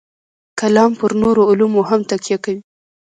کلام پر نورو علومو هم تکیه کوي.